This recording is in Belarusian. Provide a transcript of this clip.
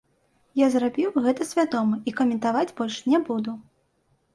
Я зрабіў гэта свядома і каментаваць больш не буду.